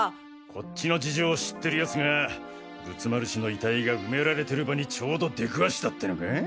こっちの事情を知ってる奴が仏丸氏の遺体が埋められてる場にちょうど出くわしたってのか？